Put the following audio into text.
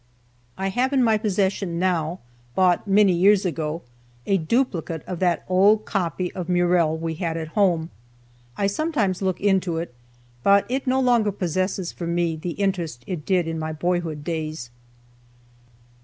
I have in my possession now (bought many years ago) a duplicate of that old copy of Murrell we had at home. I sometimes look into it, but it no longer possesses for me the interest it did in my boyhood days.